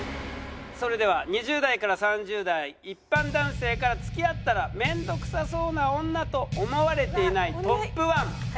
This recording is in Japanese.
それでは２０代から３０代一般男性から付き合ったら面倒くさそうな女と思われていないトップ１。